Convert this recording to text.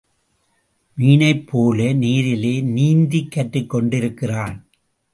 மீனைப் போல நீரிலே நீந்தக் கற்றுக்கொண்டிருக்கிறான்.